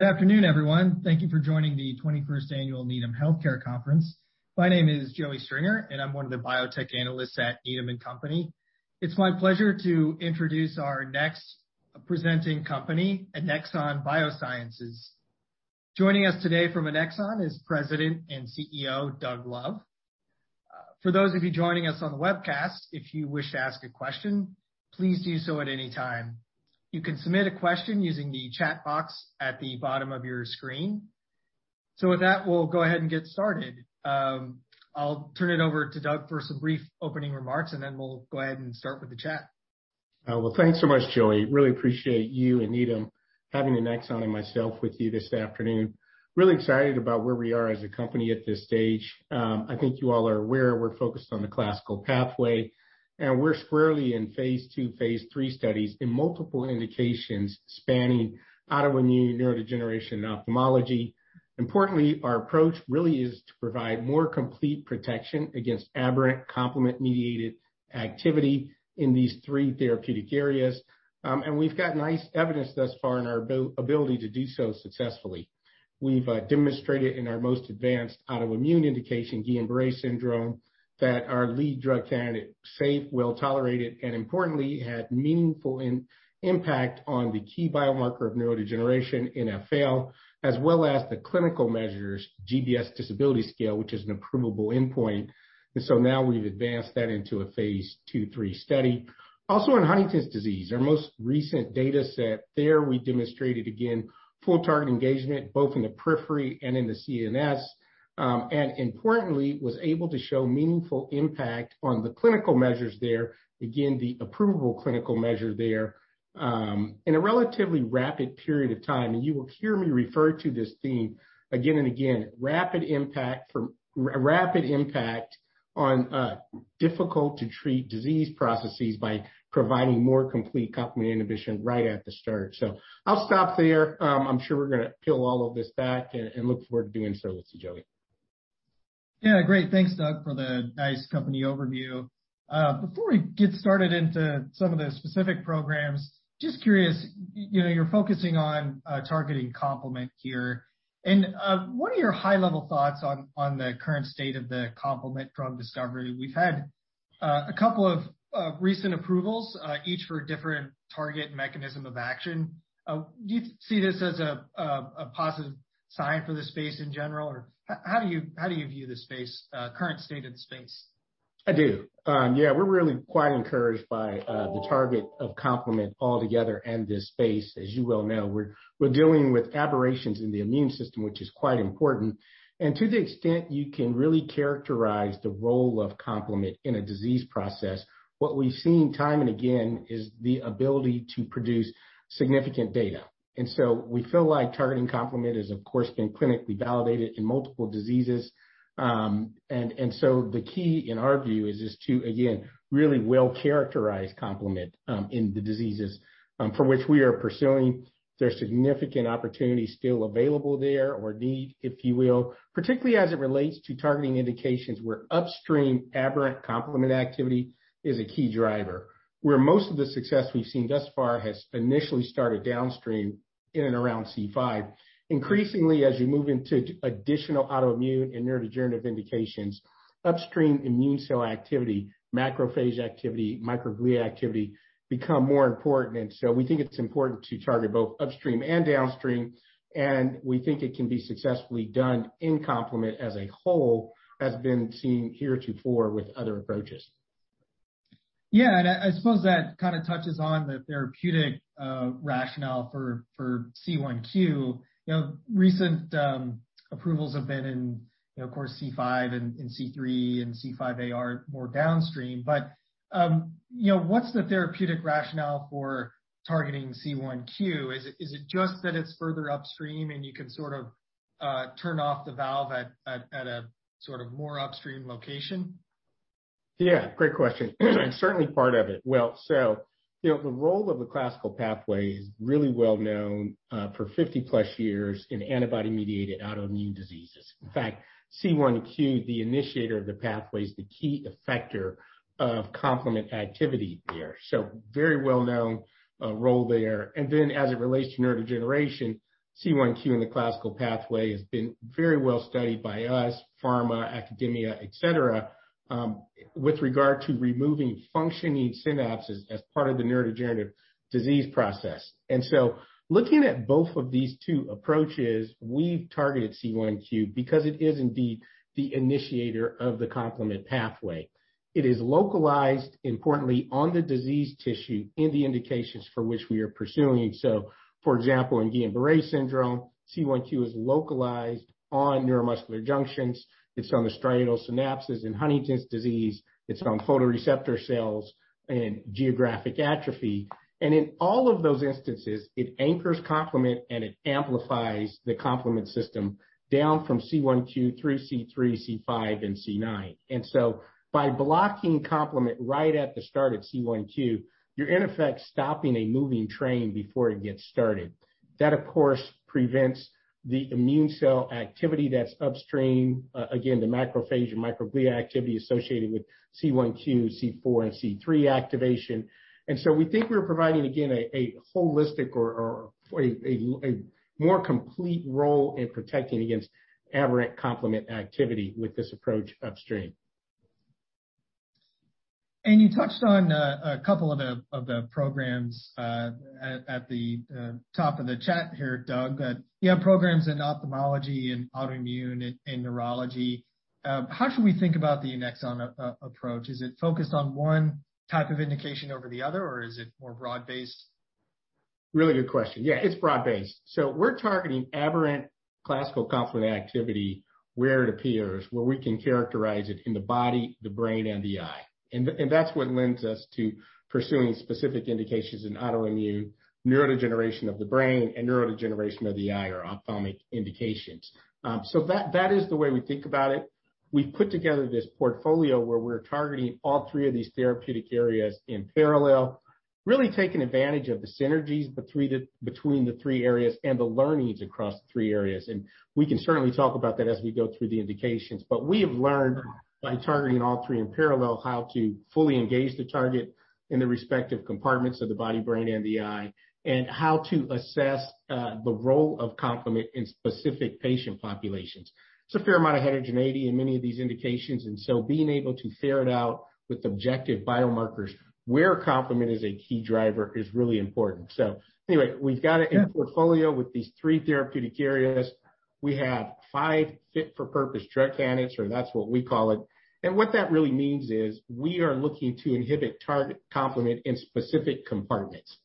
Good afternoon, everyone. Thank you for joining the 21st annual Needham Healthcare Conference. My name is Joe Stringer, and I'm one of the biotech analysts at Needham & Company. It's my pleasure to introduce our next presenting company, Annexon Biosciences. Joining us today from Annexon is President and CEO, Doug Love. For those of you joining us on the webcast, if you wish to ask a question, please do so at any time. You can submit a question using the chat box at the bottom of your screen. With that, we'll go ahead and get started. I'll turn it over to Doug for some brief opening remarks, and then we'll go ahead and start with the chat. Thanks so much, Joey. Really appreciate you and Needham having Annexon and myself with you this afternoon. Really excited about where we are as a company at this stage. I think you all are aware we're focused on the classical pathway, and we're squarely in phase II, phase III studies in multiple indications spanning autoimmune, neurodegeneration and ophthalmology. Importantly, our approach really is to provide more complete protection against aberrant complement-mediated activity in these three therapeutic areas. We've got nice evidence thus far in our ability to do so successfully. We've demonstrated in our most advanced autoimmune indication, Guillain-Barré syndrome, that our lead drug candidate safe, well-tolerated, and importantly, had meaningful impact on the key biomarker of neurodegeneration in NfL, as well as the clinical measures GBS Disability Scale, which is an approvable endpoint. Now we've advanced that into a phase II/III study. Also on Huntington's disease, our most recent data set there, we demonstrated again full target engagement, both in the periphery and in the CNS. Importantly, was able to show meaningful impact on the clinical measures there. Again, the approvable clinical measure there, in a relatively rapid period of time. You will hear me refer to this theme again and again. Rapid impact on difficult to treat disease processes by providing more complete complement inhibition right at the start. I'll stop there. I'm sure we're gonna peel all of this back and look forward to doing so with you, Joey. Yeah. Great. Thanks, Doug, for the nice company overview. Before we get started into some of the specific programs, just curious, you know, you're focusing on targeting complement here. What are your high level thoughts on the current state of the complement drug discovery? We've had a couple of recent approvals, each for a different target mechanism of action. Do you see this as a positive sign for the space in general or how do you view the space, current state of the space? I do. Yeah, we're really quite encouraged by the target of complement altogether and this space. As you well know, we're dealing with aberrations in the immune system, which is quite important. To the extent you can really characterize the role of complement in a disease process, what we've seen time and again is the ability to produce significant data. We feel like targeting complement has, of course, been clinically validated in multiple diseases. The key in our view is just to, again, really well-characterize complement in the diseases for which we are pursuing. There are significant opportunities still available there or need, if you will, particularly as it relates to targeting indications where upstream aberrant complement activity is a key driver. Where most of the success we've seen thus far has initially started downstream in and around C5. Increasingly, as you move into additional autoimmune and neurodegenerative indications, upstream immune cell activity, macrophage activity, microglia activity become more important. We think it's important to target both upstream and downstream, and we think it can be successfully done in complement as a whole, as has been seen heretofore with other approaches. Yeah. I suppose that kinda touches on the therapeutic rationale for C1q. You know, recent approvals have been in, you know, of course, C5 and C3 and C5aR more downstream. But you know, what's the therapeutic rationale for targeting C1q? Is it just that it's further upstream, and you can sort of turn off the valve at a sort of more upstream location? Yeah, great question. Certainly part of it. Well, you know, the role of the classical pathway is really well-known for 50+ years in antibody-mediated autoimmune diseases. In fact, C1q, the initiator of the pathway, is the key effector of complement activity there. Very well-known role there. Then as it relates to neurodegeneration, C1q in the classical pathway has been very well studied by us, pharma, academia, et cetera, with regard to removing functioning synapses as part of the neurodegenerative disease process. Looking at both of these two approaches, we've targeted C1q because it is indeed the initiator of the complement pathway. It is localized, importantly, on the disease tissue in the indications for which we are pursuing. For example, in Guillain-Barré syndrome, C1q is localized on neuromuscular junctions. It's on the striatal synapses. In Huntington's disease, it's on photoreceptor cells and geographic atrophy. In all of those instances, it anchors complement, and it amplifies the complement system down from C1q through C3, C5, and C9. By blocking complement right at the start at C1q, you're in effect stopping a moving train before it gets started. That, of course, prevents the immune cell activity that's upstream, again, the macrophage and microglia activity associated with C1q, C4, and C3 activation. We think we're providing, again, a more complete role in protecting against aberrant complement activity with this approach upstream. You touched on a couple of the programs at the top of the chat here, Doug, that you have programs in ophthalmology and autoimmune and neurology. How should we think about the Annexon approach? Is it focused on one type of indication over the other, or is it more broad-based? Really good question. Yeah, it's broad-based. We're targeting aberrant classical complement activity where it appears, where we can characterize it in the body, the brain, and the eye. That's what lends us to pursuing specific indications in autoimmune neurodegeneration of the brain and neurodegeneration of the eye or ophthalmic indications. That is the way we think about it. We've put together this portfolio where we're targeting all three of these therapeutic areas in parallel, really taking advantage of the synergies between the three areas and the learnings across the three areas. We can certainly talk about that as we go through the indications. We have learned by targeting all three in parallel how to fully engage the target in the respective compartments of the body, brain, and the eye, and how to assess the role of complement in specific patient populations. There's a fair amount of heterogeneity in many of these indications, and so being able to ferret out with objective biomarkers where complement is a key driver is really important. Anyway, we've got a portfolio with these three therapeutic areas. We have five fit-for-purpose drug candidates, or that's what we call it. What that really means is we are looking to inhibit target complement in specific compartments.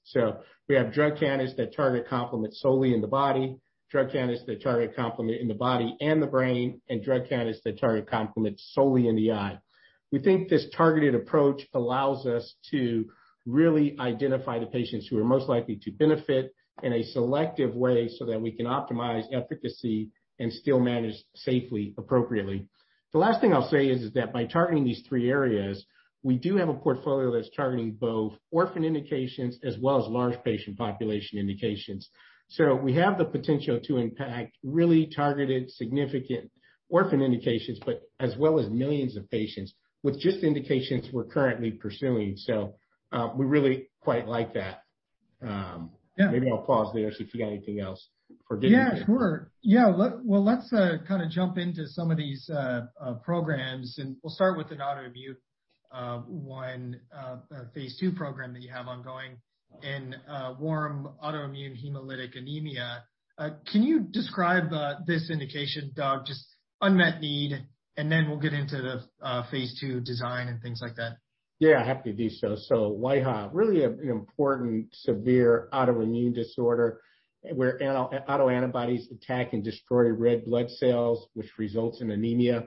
We have drug candidates that target complement solely in the body, drug candidates that target complement in the body and the brain, and drug candidates that target complement solely in the eye. We think this targeted approach allows us to really identify the patients who are most likely to benefit in a selective way so that we can optimize efficacy and still manage safely, appropriately. The last thing I'll say is that by targeting these three areas, we do have a portfolio that's targeting both orphan indications as well as large patient population indications. We have the potential to impact really targeted, significant orphan indications, but as well as millions of patients with just indications we're currently pursuing. We really quite like that. Yeah. Maybe I'll pause there, see if you got anything else for me. Yeah, sure. Well, let's kinda jump into some of these programs, and we'll start with an autoimmune one, a phase II program that you have ongoing in warm autoimmune hemolytic anemia. Can you describe this indication, Doug, just unmet need, and then we'll get into the phase II design and things like that. Yeah, happy to do so. WAHA, really an important severe autoimmune disorder where autoantibodies attack and destroy red blood cells, which results in anemia.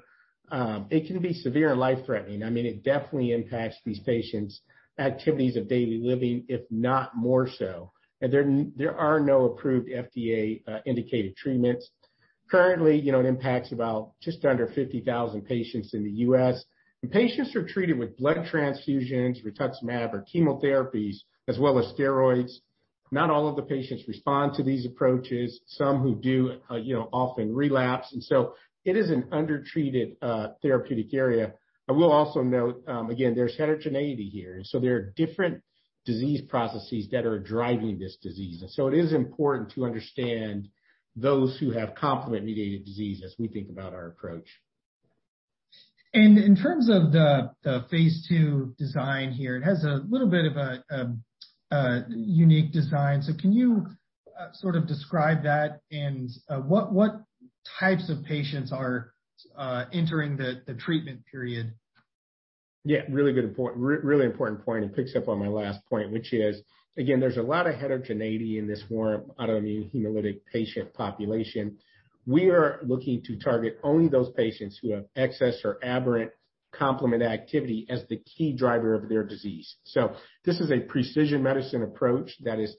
It can be severe and life-threatening. I mean, it definitely impacts these patients' activities of daily living, if not more so. There are no approved FDA indicated treatments. Currently, you know, it impacts about just under 50,000 patients in the U.S., and patients are treated with blood transfusions, rituximab or chemotherapies, as well as steroids. Not all of the patients respond to these approaches. Some who do, you know, often relapse, and so it is an undertreated therapeutic area. I will also note, again, there's heterogeneity here, and so there are different disease processes that are driving this disease. It is important to understand those who have complement-mediated disease as we think about our approach. In terms of the phase II design here, it has a little bit of a unique design. Can you sort of describe that and what types of patients are entering the treatment period? Yeah, really important point. It picks up on my last point, which is, again, there's a lot of heterogeneity in this warm autoimmune hemolytic patient population. We are looking to target only those patients who have excess or aberrant complement activity as the key driver of their disease. This is a precision medicine approach that is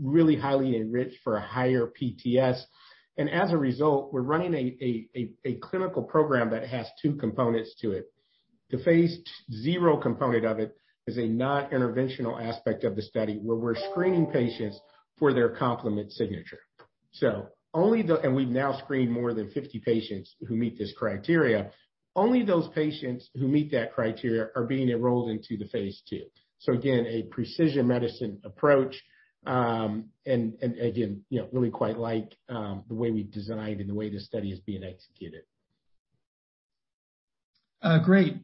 really highly enriched for a higher PTS. As a result, we're running a clinical program that has two components to it. The phase 0 component of it is a non-interventional aspect of the study where we're screening patients for their complement signature. We've now screened more than 50 patients who meet this criteria. Only those patients who meet that criteria are being enrolled into the phase II. Again, a precision medicine approach. Again, you know, really quite like the way we designed and the way the study is being executed. Great.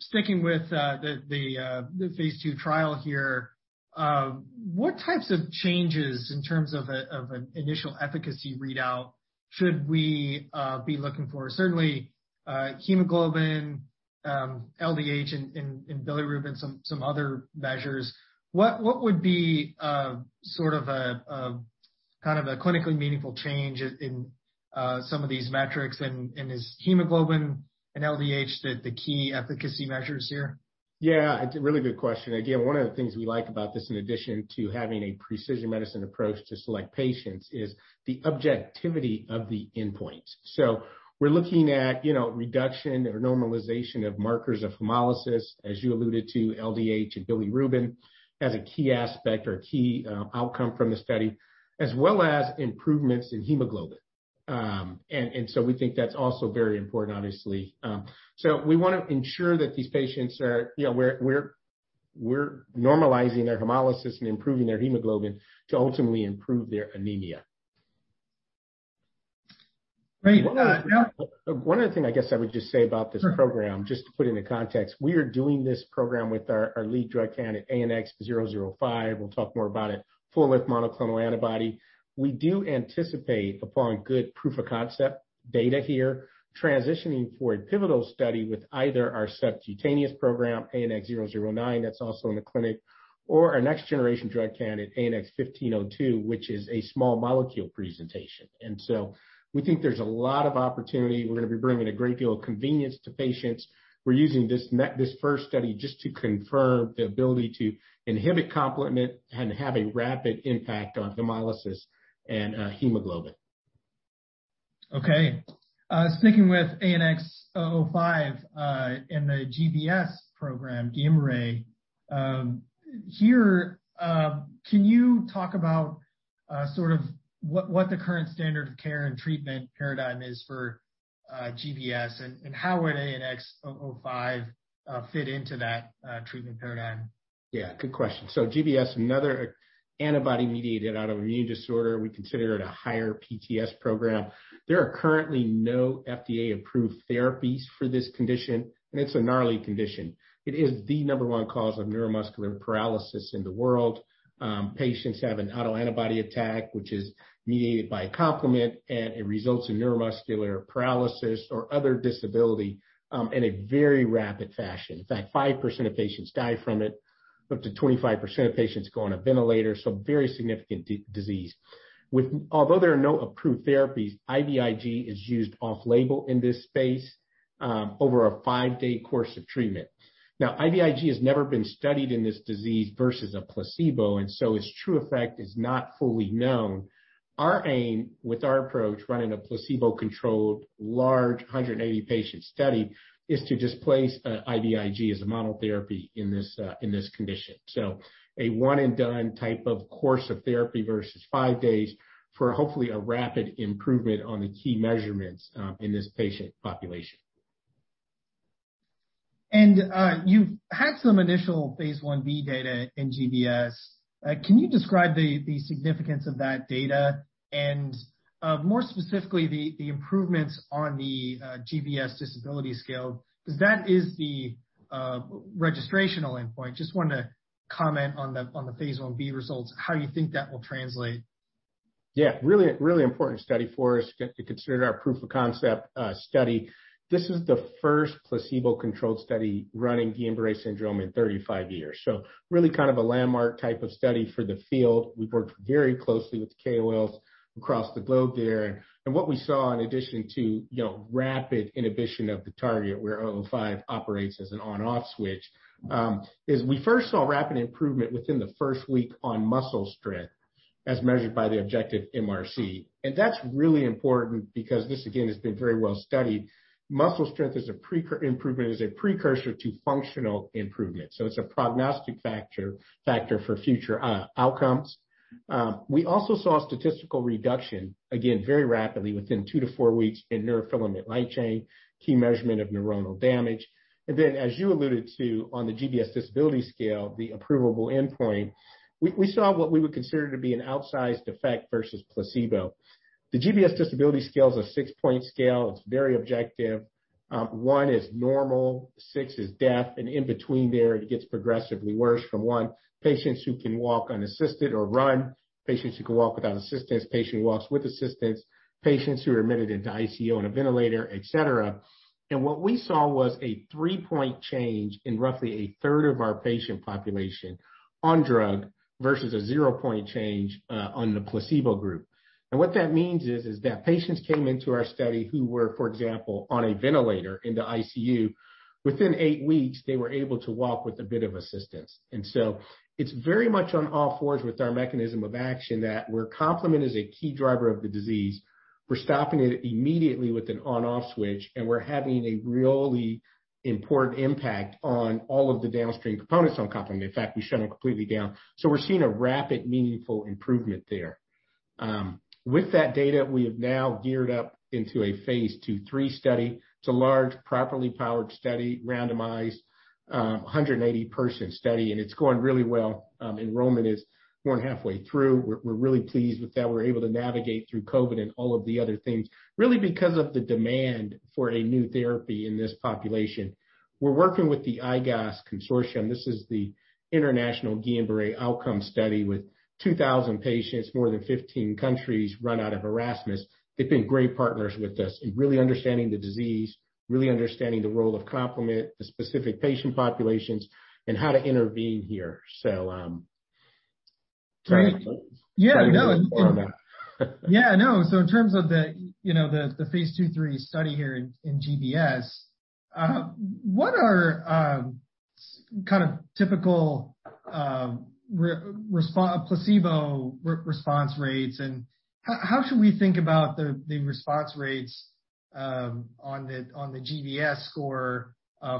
Sticking with the phase II trial here, what types of changes in terms of an initial efficacy readout should we be looking for? Certainly, hemoglobin, LDH and bilirubin, some other measures. What would be sort of a kind of a clinically meaningful change in some of these metrics? Is hemoglobin and LDH the key efficacy measures here? Yeah, it's a really good question. Again, one of the things we like about this, in addition to having a precision medicine approach to select patients, is the objectivity of the endpoint. We're looking at, you know, reduction or normalization of markers of hemolysis, as you alluded to, LDH and bilirubin, as a key aspect or a key outcome from the study, as well as improvements in hemoglobin. We think that's also very important, obviously. We wanna ensure that these patients are, you know, we're normalizing their hemolysis and improving their hemoglobin to ultimately improve their anemia. Great. One other thing I guess I would just say about this program. Sure. Just to put into context, we are doing this program with our lead drug candidate, ANX005. We'll talk more about it, full length monoclonal antibody. We do anticipate, upon good proof of concept data here, transitioning for a pivotal study with either our subcutaneous program, ANX009, that's also in the clinic, or our next generation drug candidate, ANX1502, which is a small molecule presentation. We think there's a lot of opportunity. We're gonna be bringing a great deal of convenience to patients. We're using this first study just to confirm the ability to inhibit complement and have a rapid impact on hemolysis and hemoglobin. Okay. Sticking with ANX005 and the GBS program, Guillain-Barré, can you talk about sort of what the current standard of care and treatment paradigm is for GBS and how ANX005 would fit into that treatment paradigm? Yeah, good question. GBS, another antibody-mediated autoimmune disorder. We consider it a higher PTS program. There are currently no FDA-approved therapies for this condition, and it's a gnarly condition. It is the number one cause of neuromuscular paralysis in the world. Patients have an autoantibody attack, which is mediated by complement, and it results in neuromuscular paralysis or other disability in a very rapid fashion. In fact, 5% of patients die from it, up to 25% of patients go on a ventilator, so very significant disease. Although there are no approved therapies, IVIG is used off-label in this space over a five-day course of treatment. Now, IVIG has never been studied in this disease versus a placebo, and so its true effect is not fully known. Our aim with our approach, running a placebo-controlled large 180-patient study, is to displace IVIG as a monotherapy in this condition. A one and done type of course of therapy versus five days for hopefully a rapid improvement on the key measurements in this patient population. You've had some initial phase I-B data in GBS. Can you describe the significance of that data and, more specifically, the improvements on the GBS Disability Scale? 'Cause that is the registrational endpoint. Just wanted to comment on the phase I-B results, how you think that will translate. Yeah. Really important study for us, considered our proof of concept study. This is the first placebo-controlled study in Guillain-Barré syndrome in 35 years. Really kind of a landmark type of study for the field. We've worked very closely with the KOLs across the globe there. What we saw in addition to, you know, rapid inhibition of the target where ANX005 operates as an on/off switch is we first saw rapid improvement within the first week on muscle strength as measured by the objective MRC. That's really important because this again has been very well studied. Muscle strength improvement is a precursor to functional improvement, so it's a prognostic factor for future outcomes. We also saw statistically significant reduction, again very rapidly within two to four weeks in neurofilament light chain, key measurement of neuronal damage. Then as you alluded to on the GBS Disability Scale, the approvable endpoint, we saw what we would consider to be an outsized effect versus placebo. The GBS Disability Scale is a six-point scale. It's very objective. One is normal, six is death, and in between there it gets progressively worse from one, patients who can walk unassisted or run, patients who can walk without assistance, patient who walks with assistance, patients who are admitted into ICU on a ventilator, et cetera. What we saw was a three-point change in roughly a third of our patient population on drug versus a zero point change on the placebo group. What that means is that patients came into our study who were, for example, on a ventilator in the ICU. Within eight weeks, they were able to walk with a bit of assistance. It's very much on all fours with our mechanism of action that, where complement is a key driver of the disease, we're stopping it immediately with an on/off switch, and we're having a really important impact on all of the downstream components of complement. In fact, we shut them completely down. We're seeing a rapid, meaningful improvement there. With that data, we have now geared up into a phase II/III study. It's a large, properly powered study, randomized, 180-person study, and it's going really well. Enrollment is more than halfway through. We're really pleased with that. We're able to navigate through COVID and all of the other things really because of the demand for a new therapy in this population. We're working with the IGOS Consortium. This is the International Guillain-Barré Outcome Study with 2,000 patients, more than 15 countries run out of Erasmus. They've been great partners with us in really understanding the disease, really understanding the role of complement, the specific patient populations, and how to intervene here. Great. Trying to- Yeah, no. Yeah, no. In terms of the phase II/III study here in GBS, what are kind of typical placebo response rates and how should we think about the response rates on the GBS score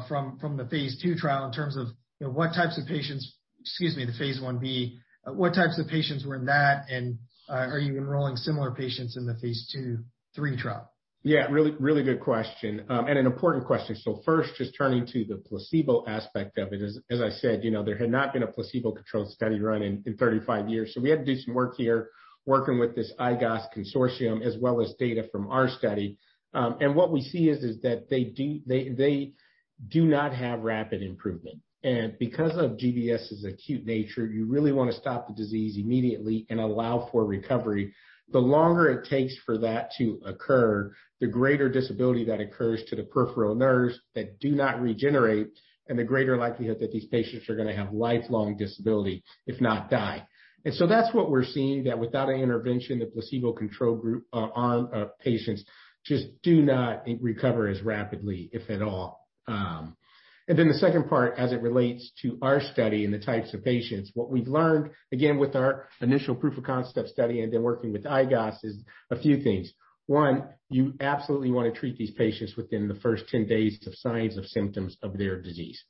from the phase II trial in terms of what types of patients—excuse me, the phase I-B. What types of patients were in that, and are you enrolling similar patients in the phase II/III trial? Yeah, really good question and an important question. First, just turning to the placebo aspect of it is, as I said, you know, there had not been a placebo-controlled study run in 35 years, so we had to do some work here working with this IGOS Consortium as well as data from our study. What we see is that they do not have rapid improvement. Because of GBS's acute nature, you really wanna stop the disease immediately and allow for recovery. The longer it takes for that to occur, the greater disability that occurs to the peripheral nerves that do not regenerate and the greater likelihood that these patients are gonna have lifelong disability, if not die. That's what we're seeing, that without an intervention, the placebo-controlled group, patients just do not recover as rapidly, if at all. The second part, as it relates to our study and the types of patients, what we've learned, again, with our initial proof of concept study and then working with IGOS is a few things. One, you absolutely wanna treat these patients within the first 10 days of onset of symptoms of their disease.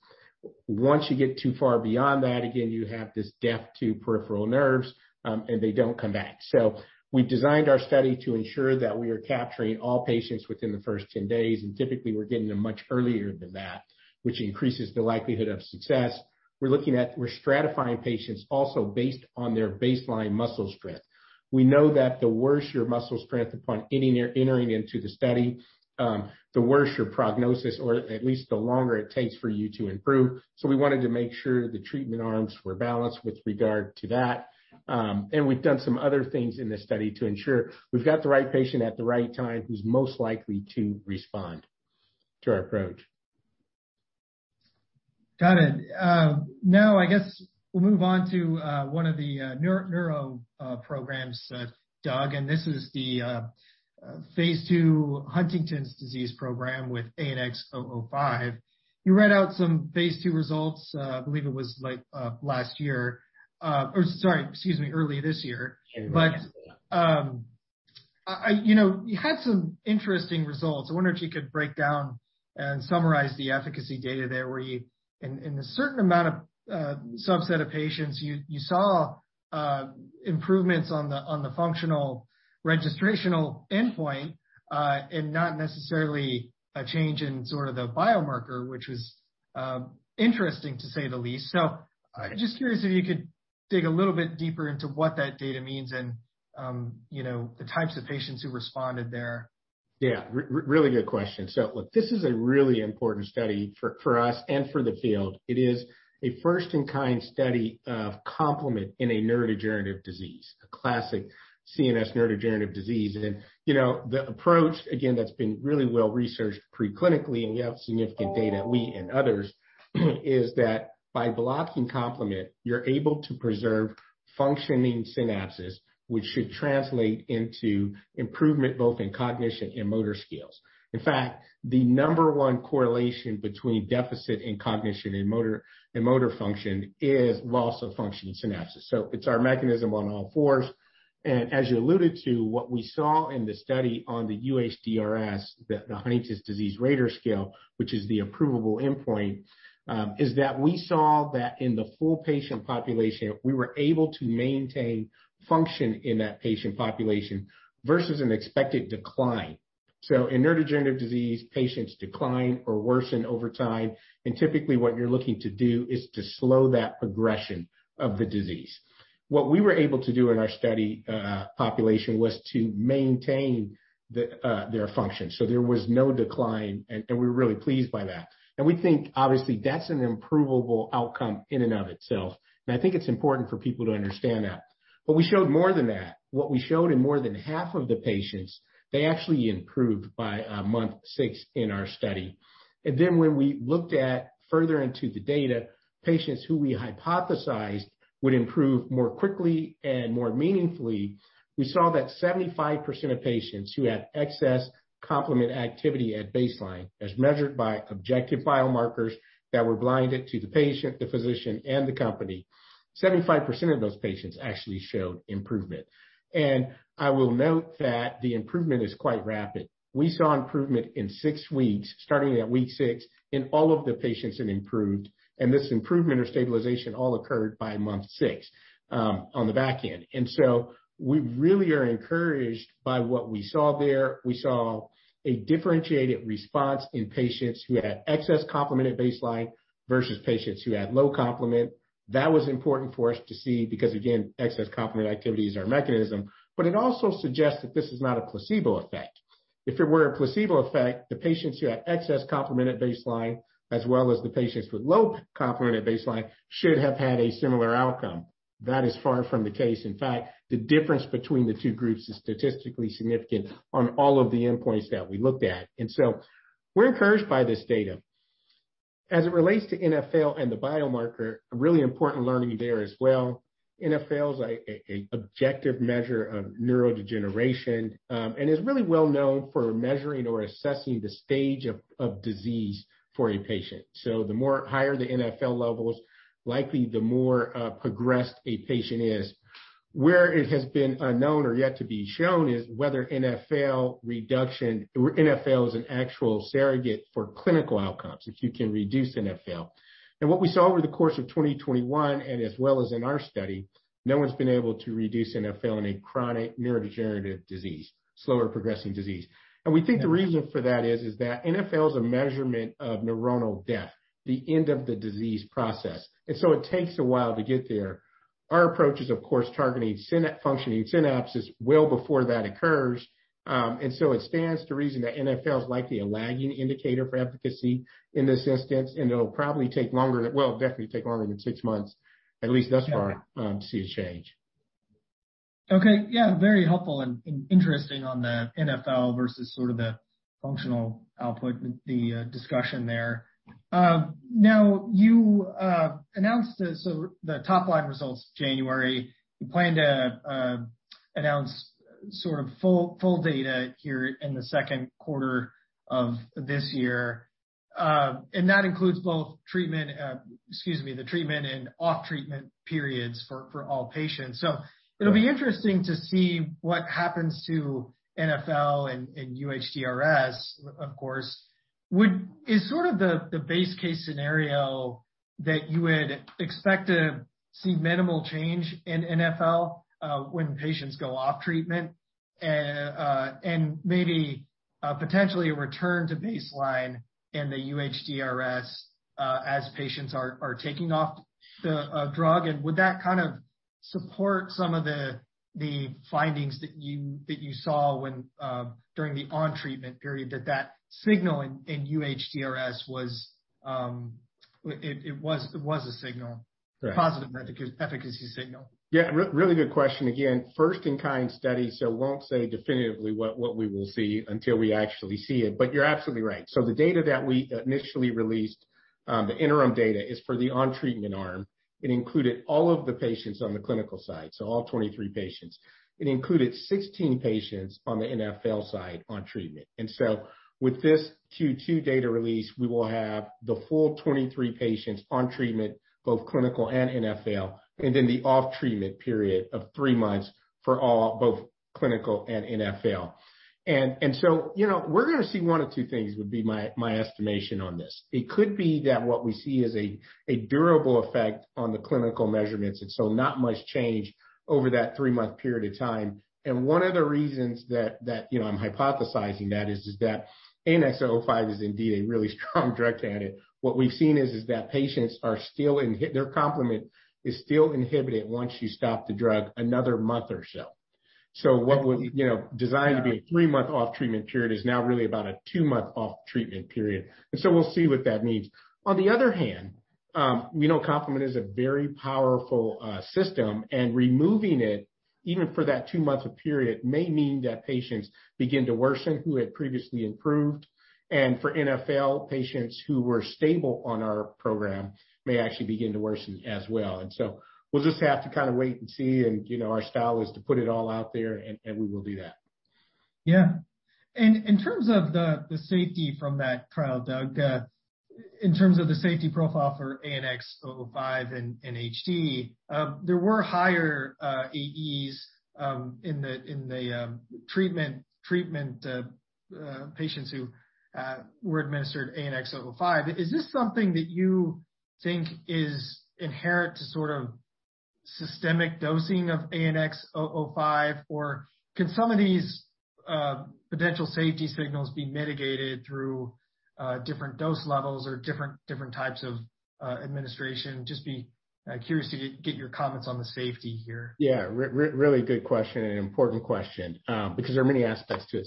Once you get too far beyond that, again, you have this damage to peripheral nerves, and they don't come back. We designed our study to ensure that we are capturing all patients within the first 10 days, and typically we're getting them much earlier than that, which increases the likelihood of success. We're stratifying patients also based on their baseline muscle strength. We know that the worse your muscle strength upon entering into the study, the worse your prognosis or at least the longer it takes for you to improve. We wanted to make sure the treatment arms were balanced with regard to that. We've done some other things in this study to ensure we've got the right patient at the right time who's most likely to respond to our approach. Got it. Now I guess we'll move on to one of the neuro programs, Doug, and this is the phase II Huntington's disease program with ANX005. You read out some phase II results, I believe it was like last year, or sorry, excuse me, early this year. Early this year. You know, you had some interesting results. I wonder if you could break down and summarize the efficacy data there, in a certain subset of patients, you saw improvements on the functional registrational endpoint, and not necessarily a change in sort of the biomarker, which was interesting to say the least. I'm just curious if you could dig a little bit deeper into what that data means and, you know, the types of patients who responded there. Yeah, really good question. Look, this is a really important study for us and for the field. It is a first in kind study of complement in a neurodegenerative disease, a classic CNS neurodegenerative disease. You know, the approach, again, that's been really well-researched pre-clinically, and we have significant data, we and others, is that by blocking complement, you're able to preserve functioning synapses, which should translate into improvement both in cognition and motor skills. In fact, the number one correlation between deficit in cognition and motor, and motor function is loss of function synapses. It's our mechanism on all fours. As you alluded to, what we saw in the study on the UHDRS, the Huntington's Disease Rating Scale, which is the approvable endpoint, is that we saw that in the full patient population, we were able to maintain function in that patient population versus an expected decline. In neurodegenerative disease, patients decline or worsen over time, and typically what you're looking to do is to slow that progression of the disease. What we were able to do in our study population was to maintain their function. There was no decline, and we're really pleased by that. We think obviously that's an improvable outcome in and of itself, and I think it's important for people to understand that. We showed more than that. What we showed in more than half of the patients, they actually improved by month six in our study. When we looked further into the data, patients who we hypothesized would improve more quickly and more meaningfully, we saw that 75% of patients who had excess complement activity at baseline, as measured by objective biomarkers that were blinded to the patient, the physician, and the company, 75% of those patients actually showed improvement. I will note that the improvement is quite rapid. We saw improvement in six weeks, starting at week six, and all of the patients had improved, and this improvement or stabilization all occurred by month six, on the back end. We really are encouraged by what we saw there. We saw a differentiated response in patients who had excess complement at baseline versus patients who had low complement. That was important for us to see because, again, excess complement activity is our mechanism. But it also suggests that this is not a placebo effect. If it were a placebo effect, the patients who had excess complement at baseline, as well as the patients with low complement at baseline, should have had a similar outcome. That is far from the case. In fact, the difference between the two groups is statistically significant on all of the endpoints that we looked at. We're encouraged by this data. As it relates to NfL and the biomarker, a really important learning there as well. NfL's an objective measure of neurodegeneration, and is really well known for measuring or assessing the stage of disease for a patient. The more higher the NFL levels, likely the more progressed a patient is. Where it has been unknown or yet to be shown is whether NFL reduction or NFL is an actual surrogate for clinical outcomes, if you can reduce NFL. What we saw over the course of 2021, and as well as in our study, no one's been able to reduce NFL in a chronic neurodegenerative disease, slower progressing disease. We think the reason for that is that NFL is a measurement of neuronal death, the end of the disease process. It takes a while to get there. Our approach is of course targeting functioning synapses well before that occurs. It stands to reason that NfL is likely a lagging indicator for efficacy in this instance, and it'll definitely take longer than six months, at least thus far, to see a change. Okay. Yeah, very helpful and interesting on the NFL versus sort of the functional output, the discussion there. Now you announced the topline results in January. You plan to announce sort of full data here in the second quarter of this year. That includes both the treatment and off-treatment periods for all patients. Yeah. It'll be interesting to see what happens to NfL and UHDRS, of course. Is sort of the base case scenario that you would expect to see minimal change in NfL when patients go off treatment and maybe potentially a return to baseline in the UHDRS as patients are taken off the drug? Would that kind of support some of the findings that you saw during the on treatment period that signal in UHDRS was a signal. Right. Positive efficacy signal. Yeah. Really good question. Again, first in kind study, so won't say definitively what we will see until we actually see it. But you're absolutely right. The data that we initially released, the interim data, is for the on treatment arm. It included all of the patients on the clinical side, so all 23 patients. It included 16 patients on the NfL side on treatment. With this Q2 data release, we will have the full 23 patients on treatment, both clinical and NfL, and then the off treatment period of three months for all, both clinical and NfL. You know, we're gonna see one of two things, would be my estimation on this. It could be that what we see is a durable effect on the clinical measurements, and so not much change over that three-month period of time. One of the reasons that you know I'm hypothesizing that is that ANX005 is indeed a really strong drug candidate. What we've seen is that patients are still inhibited, their complement is still inhibited once you stop the drug another month or so. What we you know designed to be a three-month off treatment period is now really about a two-month off treatment period. We'll see what that means. On the other hand, we know complement is a very powerful system, and removing it, even for that two-month period, may mean that patients begin to worsen who had previously improved. For NfL, patients who were stable on our program may actually begin to worsen as well. We'll just have to kind of wait and see. You know, our style is to put it all out there, and we will do that. In terms of the safety from that trial, Doug, in terms of the safety profile for ANX005 in HD, there were higher AEs in the treatment patients who were administered ANX005. Is this something that you think is inherent to sort of systemic dosing of ANX005, or can some of these potential safety signals be mitigated through different dose levels or different types of administration? Just curious to get your comments on the safety here. Yeah. Really good question and important question, because there are many aspects to it.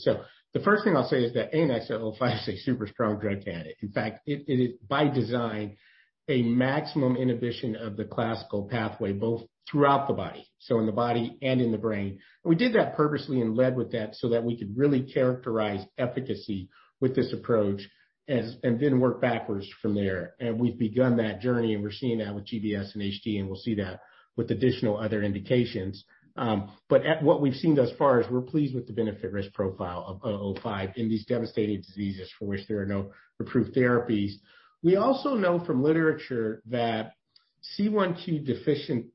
The first thing I'll say is that ANX005 is a super strong drug candidate. In fact, it is by design a maximum inhibition of the classical pathway, both throughout the body, so in the body and in the brain. We did that purposely and led with that so that we could really characterize efficacy with this approach and then work backwards from there. We've begun that journey, and we're seeing that with GBS and HD, and we'll see that with additional other indications. But what we've seen thus far is we're pleased with the benefit risk profile of ANX005 in these devastating diseases for which there are no approved therapies. We also know from literature that C1q deficient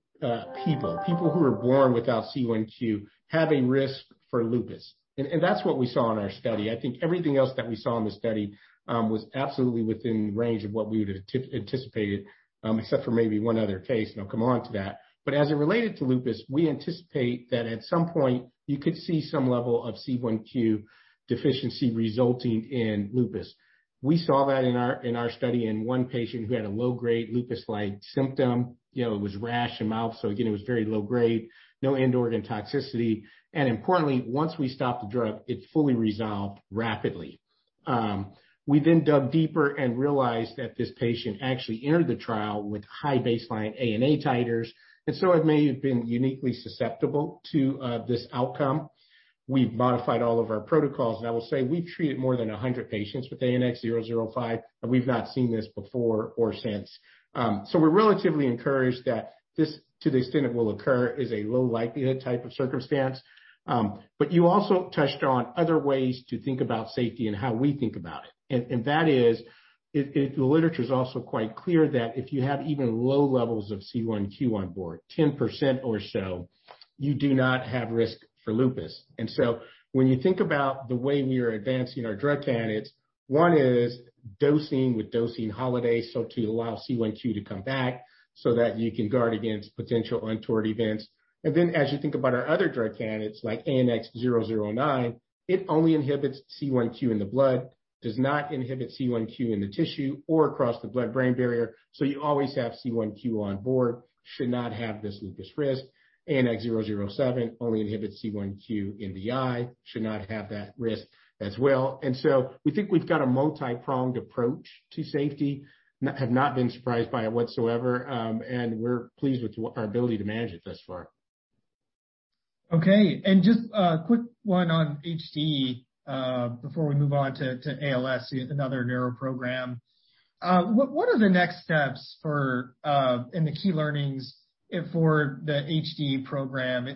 people who are born without C1q have a risk for lupus. That's what we saw in our study. I think everything else that we saw in the study was absolutely within range of what we would've anticipated, except for maybe one other case, and I'll come on to that. As it related to lupus, we anticipate that at some point you could see some level of C1q deficiency resulting in lupus. We saw that in our study in one patient who had a low grade lupus-like symptom. You know, it was rash and mouth, so again, it was very low grade. No end organ toxicity. Importantly, once we stopped the drug, it fully resolved rapidly. We then dug deeper and realized that this patient actually entered the trial with high baseline ANA titers, and so it may have been uniquely susceptible to this outcome. We've modified all of our protocols, and I will say we treated more than 100 patients with ANX005, and we've not seen this before or since. So we're relatively encouraged that this, to the extent it will occur, is a low likelihood type of circumstance. But you also touched on other ways to think about safety and how we think about it. That is, the literature is also quite clear that if you have even low levels of C1q on board, 10% or so, you do not have risk for lupus. When you think about the way we are advancing our drug candidates, one is dosing with dosing holidays, so to allow C1q to come back so that you can guard against potential untoward events. As you think about our other drug candidates, like ANX009, it only inhibits C1q in the blood, does not inhibit C1q in the tissue or across the blood-brain barrier. You always have C1q on board, should not have this lupus risk. ANX007 only inhibits C1q in the eye, should not have that risk as well. We think we've got a multi-pronged approach to safety. We have not been surprised by it whatsoever, and we're pleased with our ability to manage it thus far. Okay. Just a quick one on HD before we move on to ALS, another neuro program. What are the next steps and the key learnings for the HD program?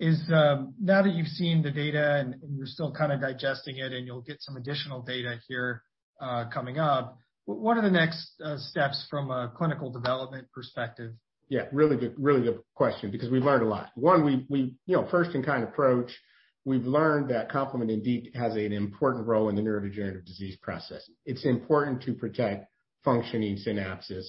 Now that you've seen the data and you're still kinda digesting it, and you'll get some additional data here coming up, what are the next steps from a clinical development perspective? Yeah, really good question because we've learned a lot. One, you know, first-in-kind approach, we've learned that complement indeed has an important role in the neurodegenerative disease process. It's important to protect functioning synapses.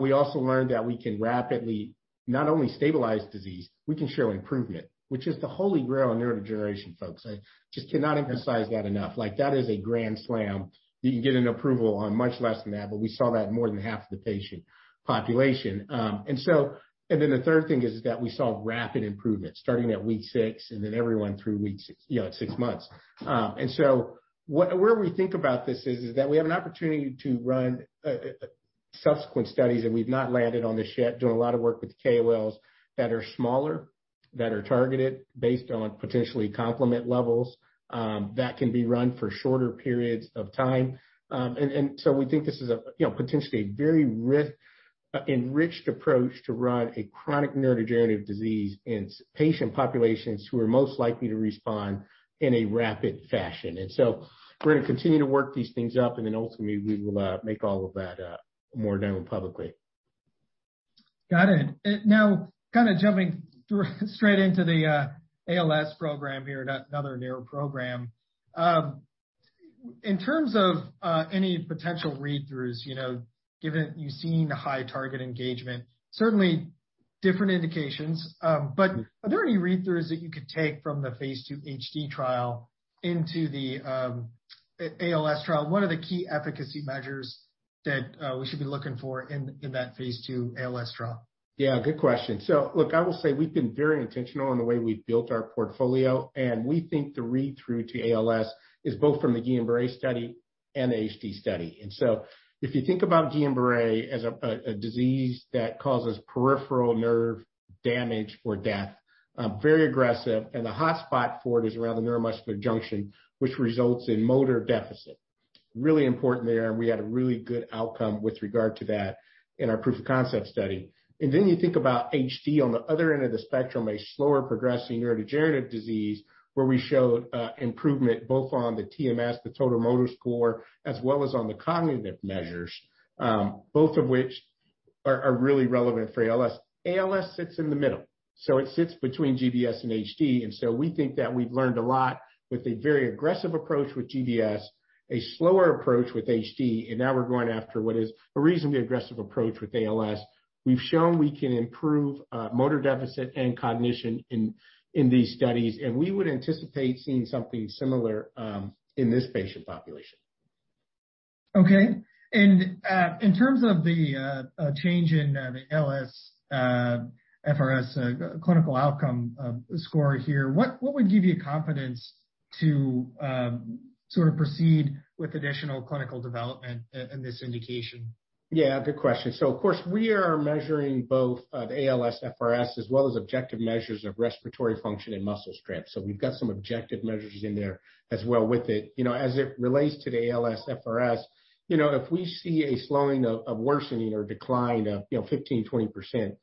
We also learned that we can rapidly not only stabilize disease, we can show improvement, which is the holy grail of neurodegeneration, folks. I just cannot emphasize that enough. Like, that is a grand slam. You can get an approval on much less than that, but we saw that in more than half of the patient population. Then the third thing is that we saw rapid improvement starting at week six and then everyone through week six, you know, at six months. Where we think about this is that we have an opportunity to run subsequent studies, and we've not landed on this yet, doing a lot of work with KOLs that are smaller, that are targeted based on potentially complement levels, that can be run for shorter periods of time. We think this is, you know, potentially a very enriched approach to run a chronic neurodegenerative disease in patient populations who are most likely to respond in a rapid fashion. We're gonna continue to work these things up, and then ultimately we will make all of that more known publicly. Got it. Now kinda jumping straight into the ALS program here, another neuro program. In terms of any potential read-throughs, you know, given you've seen high target engagement, certainly different indications, but are there any read-throughs that you could take from the phase II HD trial into the ALS trial? And what are the key efficacy measures that we should be looking for in that phase II ALS trial? Yeah, good question. Look, I will say we've been very intentional in the way we've built our portfolio, and we think the read-through to ALS is both from the Guillain-Barré study and the HD study. If you think about Guillain-Barré as a disease that causes peripheral nerve damage or death, very aggressive, and the hotspot for it is around the neuromuscular junction, which results in motor deficit. Really important there, and we had a really good outcome with regard to that in our proof of concept study. You think about HD on the other end of the spectrum, a slower progressing neurodegenerative disease where we showed improvement both on the TMS, the total motor score, as well as on the cognitive measures, both of which are really relevant for ALS. ALS sits in the middle, so it sits between GBS and HD. We think that we've learned a lot with a very aggressive approach with GBS, a slower approach with HD, and now we're going after what is a reasonably aggressive approach with ALS. We've shown we can improve motor deficit and cognition in these studies, and we would anticipate seeing something similar in this patient population. Okay. In terms of the change in the ALSFRS clinical outcome score here, what would give you confidence to sort of proceed with additional clinical development in this indication? Yeah, good question. Of course, we are measuring both the ALS FRS as well as objective measures of respiratory function and muscle strength. We've got some objective measures in there as well with it. You know, as it relates to the ALS FRS, you know, if we see a slowing of worsening or decline of, you know, 15%, 20%,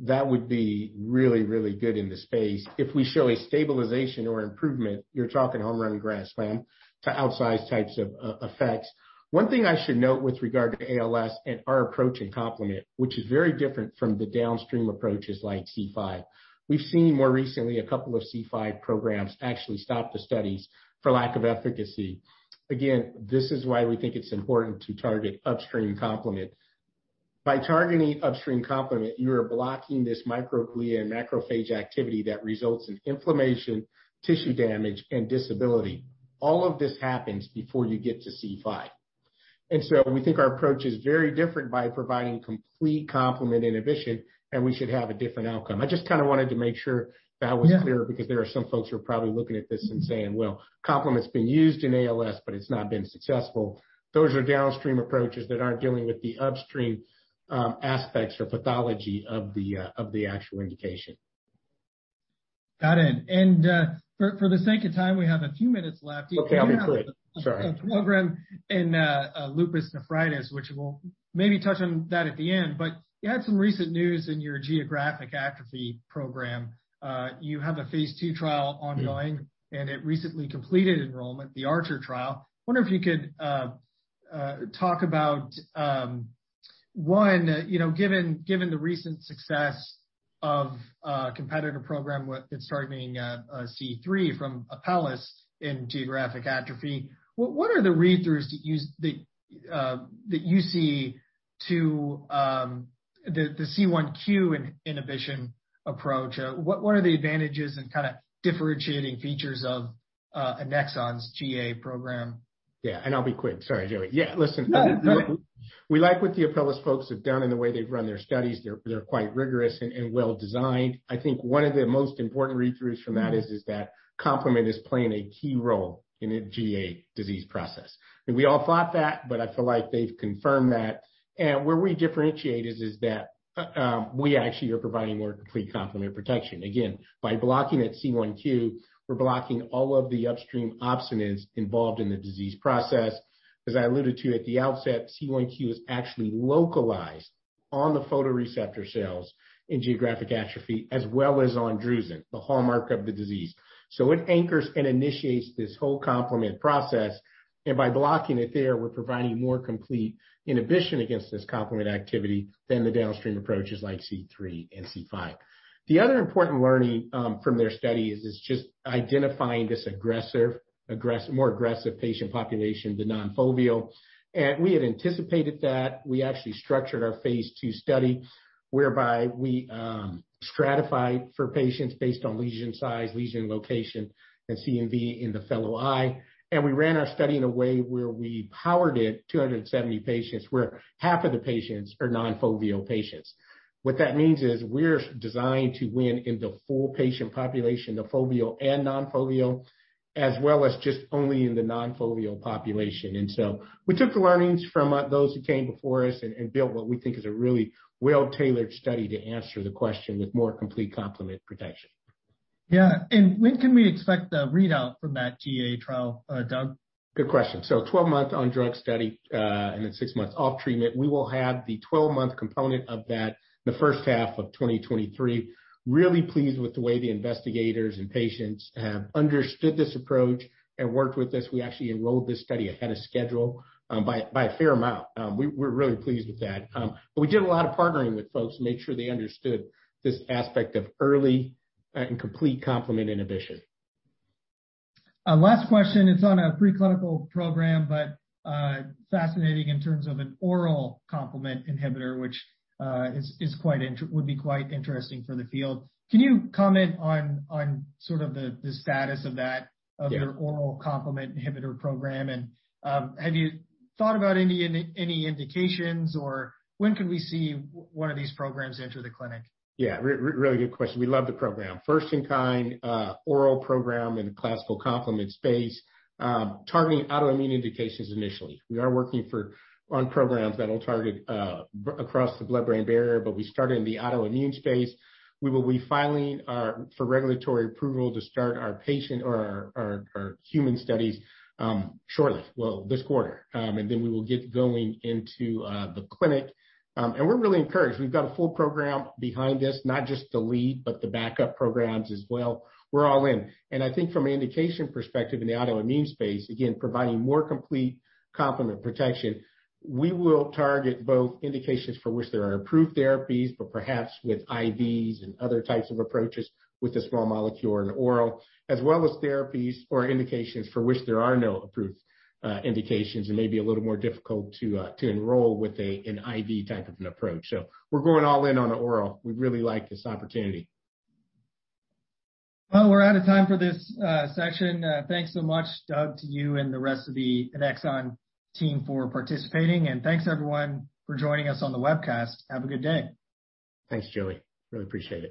that would be really good in the space. If we show a stabilization or improvement, you're talking home run grand slam to outsize types of effects. One thing I should note with regard to ALS and our approach in complement, which is very different from the downstream approaches like C5. We've seen more recently a couple of C5 programs actually stop the studies for lack of efficacy. Again, this is why we think it's important to target upstream complement. By targeting upstream complement, you are blocking this microglia and macrophage activity that results in inflammation, tissue damage, and disability. All of this happens before you get to C5. We think our approach is very different by providing complete complement inhibition, and we should have a different outcome. I just kinda wanted to make sure that was clear- Yeah. ...because there are some folks who are probably looking at this and saying, "Well, complement's been used in ALS, but it's not been successful." Those are downstream approaches that aren't dealing with the upstream aspects or pathology of the actual indication. Got it. For the sake of time, we have a few minutes left. You do have- Okay, I'll be quick. Sorry. ...a program in lupus nephritis, which we'll maybe touch on that at the end. You had some recent news in your geographic atrophy program. You have a phase II trial ongoing- Yeah. ...it recently completed enrollment, the ARCHER trial. Wonder if you could talk about, you know, given the recent success of a competitor program that's targeting C3 from Apellis in geographic atrophy, what are the read-throughs that you see to the C1q inhibition approach? What are the advantages and kinda differentiating features of Annexon's GA program? Yeah, I'll be quick. Sorry, Joey. Yeah, listen. No. We like what the Apellis folks have done and the way they've run their studies. They're quite rigorous and well-designed. I think one of the most important read-throughs from that is that complement is playing a key role in a GA disease process. We all thought that, but I feel like they've confirmed that. Where we differentiate is that we actually are providing more complete complement protection. Again, by blocking at C1q, we're blocking all of the upstream opsonins involved in the disease process. As I alluded to at the outset, C1q is actually localized on the photoreceptor cells in geographic atrophy, as well as on drusen, the hallmark of the disease. It anchors and initiates this whole complement process, and by blocking it there, we're providing more complete inhibition against this complement activity than the downstream approaches like C3 and C5. The other important learning from their study is just identifying this more aggressive patient population, the non-foveal. We had anticipated that. We actually structured our phase II study whereby we stratified for patients based on lesion size, lesion location, and CNV in the fellow eye. We ran our study in a way where we powered it, 270 patients, where half of the patients are non-foveal patients. What that means is we're designed to win in the full patient population, the foveal and non-foveal, as well as just only in the non-foveal population. We took the learnings from those who came before us and built what we think is a really well-tailored study to answer the question with more complete complement protection. Yeah. When can we expect the readout from that GA trial, Doug? Good question. 12-month on-drug study, and then six-months off treatment. We will have the 12-month component of that in the first half of 2023. Really pleased with the way the investigators and patients have understood this approach and worked with us. We actually enrolled this study ahead of schedule by a fair amount. We're really pleased with that. We did a lot of partnering with folks to make sure they understood this aspect of early and complete complement inhibition. Last question, it's on a preclinical program, but fascinating in terms of an oral complement inhibitor, which would be quite interesting for the field. Can you comment on sort of the status of that- Yeah. ...of your oral complement inhibitor program? Have you thought about any indications, or when could we see one of these programs enter the clinic? Yeah. Really good question. We love the program. First in kind, oral program in the classical complement space, targeting autoimmune indications initially. We are working on programs that'll target across the blood-brain barrier, but we started in the autoimmune space. We will be filing for regulatory approval to start our human studies shortly. Well, this quarter. We will get going into the clinic. We're really encouraged. We've got a full program behind us, not just the lead, but the backup programs as well. We're all in. I think from an indication perspective in the autoimmune space, again, providing more complete complement protection, we will target both indications for which there are approved therapies, but perhaps with IVs and other types of approaches with the small molecule and oral, as well as therapies or indications for which there are no approved indications and may be a little more difficult to enroll with an IV type of an approach. We're going all in on the oral. We really like this opportunity. Well, we're out of time for this section. Thanks so much, Doug, to you and the rest of the Annexon team for participating. Thanks everyone for joining us on the webcast. Have a good day. Thanks, Joey. Really appreciate it.